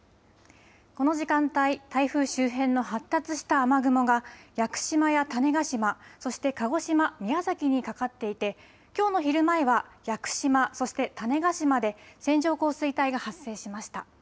この時間帯、台風周辺の発達した雨雲が屋久島や種子島、そして鹿児島、宮崎にかかっていてきょうの昼前は屋久島、そして種子島で線状降水帯が発生しました。